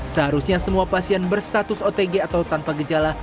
seharusnya semua pasien berstatus otg atau tanpa gejala